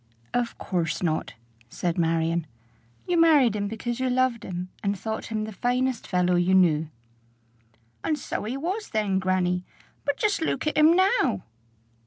"Of course not," said Marion. "You married him because you loved him, and thought him the finest fellow you knew." "And so he was then, grannie. But just look at him now!"